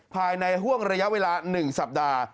ภายในห่วงระยะเวลา๑สัปดาห์